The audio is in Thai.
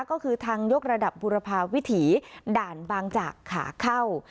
ก็คือทางยกระดับบุรพาวิถีด่านบางจากขาเข้า